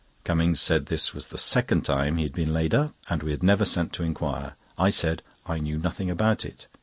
Cummings said this was the second time he had been laid up, and we had never sent to inquire. I said I knew nothing about it.